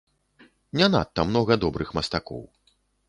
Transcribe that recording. Не надта многа добрых мастакоў.